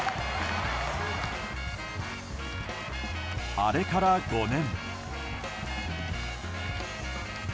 あれから５年。